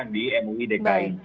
di mui dki baik